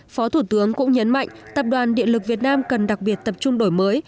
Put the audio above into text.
phó thủ tướng cũng nhấn mạnh tập đoàn điện lực việt nam cần đặc biệt tập trung đổi mới